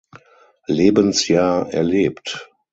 Lebensjahr erlebt.